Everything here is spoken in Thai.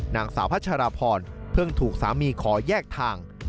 นางสาวพัชรพรเพิ่งถูกสามีขอแยกทาง